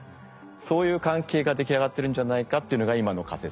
そういう関係ができ上がってるんじゃないかっていうのが今の仮説で。